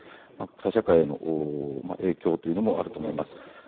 国際社会への影響というのもあると思います。